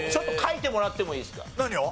何を？